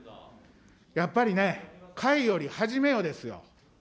やっぱりね、かいより始めよですよ。